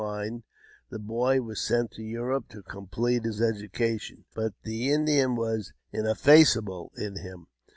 mind, the boy was sent to Europe to complete his education. But the Indian was ineffaceable in him.